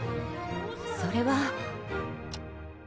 それは。